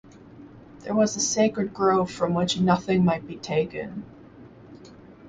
There was a sacred grove from which nothing might be taken.